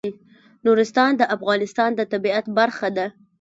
نورستان د افغانستان د طبیعت برخه ده.